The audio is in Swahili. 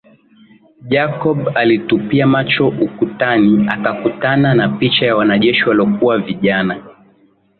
Jacob alitupia macho ukutani akakutana na picha ya wanajeshi waliokuwa vijana